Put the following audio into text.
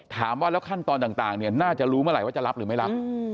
ถามว่าแล้วขั้นตอนต่างเนี่ยน่าจะรู้เมื่อไหร่ว่าจะรับหรือไม่รับ